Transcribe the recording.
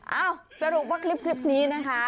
สรุปว่าคลิปนี้นะคะ